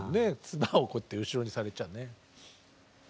つばをこうやって後ろに下げちゃね。